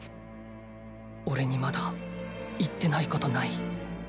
おれにまだ言ってないことない？